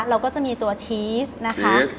เราก็จะมีตัวชีสนะคะ